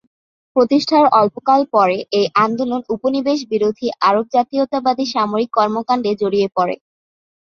প্রতিষ্ঠার অল্পকাল পর এই আন্দোলন উপনিবেশ বিরোধী আরব জাতীয়তাবাদী সামরিক কর্মকাণ্ডে জড়িয়ে পড়ে।